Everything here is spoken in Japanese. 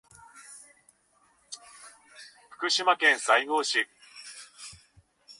福島県西郷村